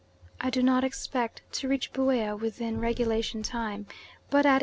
I do not expect to reach Buea within regulation time, but at 11.